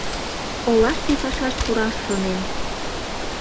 Олаште пашаш пураш шонем.